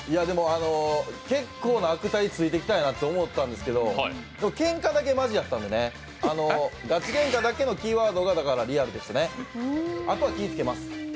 でも、結構な悪態ついていきたいなと思ったんですけどけんかだけマジやったんでね、ガチげんかだけのキーワードだけリアルとしてね、あとは気つけます。